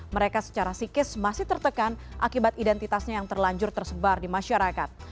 mereka secara psikis masih tertekan akibat identitasnya yang terlanjur tersebar di masyarakat